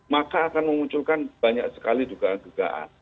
maka akan memunculkan banyak sekali dugaan dugaan